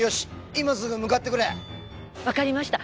今すぐ向かってくれ分かりました